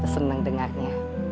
tante senang dengarnya